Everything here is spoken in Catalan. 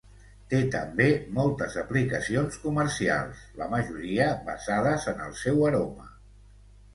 Té també moltes aplicacions comercials, la majoria basades en el seu aroma.